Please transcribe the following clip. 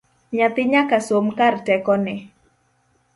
Nyathi nyaka som kar tekone